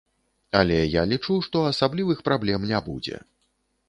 Але я лічу, што асаблівых праблем не будзе.